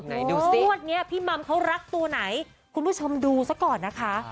ดูสิงวดนี้พี่มัมเขารักตัวไหนคุณผู้ชมดูซะก่อนนะคะ